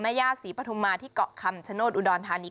มะยาศรีปฐุมมาที่เกาะคำชโนสอุดอนทานี